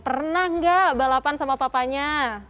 pernah nggak balapan sama papanya